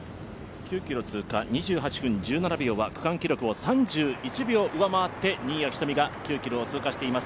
９ｋｍ通過２８秒１７秒は区間記録を３１秒上回って、新谷仁美が９ｋｍを通過しています。